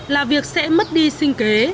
là việc sẽ mất đi sinh kế